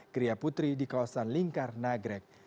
gria putri di kawasan lingkar nagrek